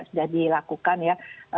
sudah dilakukan ya